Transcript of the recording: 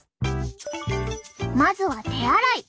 まずは手洗い。